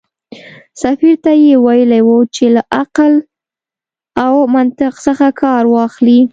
سفیر ته یې ویلي و چې له عقل او منطق څخه کار واخلي.